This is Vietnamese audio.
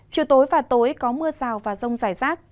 chiều tối và tối có mưa rào và rông rải rác